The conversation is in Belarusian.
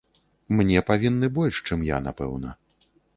Мне павінны больш, чым я, напэўна.